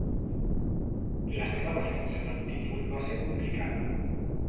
La seva defensa del títol va ser complicada.